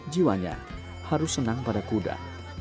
jiwanya harus senang pada kuda